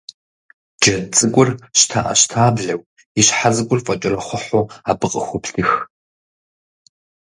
Джэд цӀыкӀур щтэӀэщтаблэу, и щхьэ цӀыкӀур фӀэкӀэрэхъухьу абы къыхоплъых.